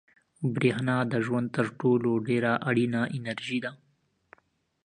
برېښنا د ژوند تر ټولو ډېره اړینه انرژي ده.